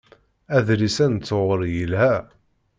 Adlis-a n tɣuri yelha.